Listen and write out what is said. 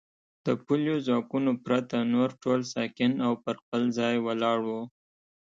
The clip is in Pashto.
د پلیو ځواکونو پرته نور ټول ساکن او پر خپل ځای ولاړ و.